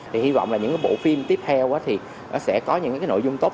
thì hy vọng là những bộ phim tiếp theo thì nó sẽ có những cái nội dung tốt